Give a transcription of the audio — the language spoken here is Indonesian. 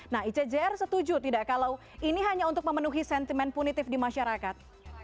nah icjr setuju tidak kalau ini hanya untuk memenuhi sentimen punitif di masyarakat